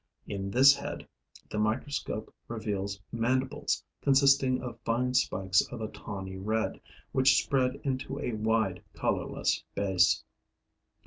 In this head, the microscope reveals mandibles consisting of fine spikes of a tawny red, which spread into a wide, colorless base.